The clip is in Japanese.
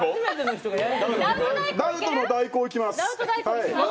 ダウト代行いきます。